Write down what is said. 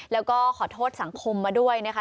แล้วก็ขอโทษสังคมมาด้วยนะคะ